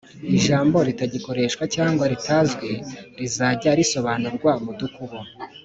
ijambo ritagikoreshwa cg ritazwi rizajya risobanurwa mudukubo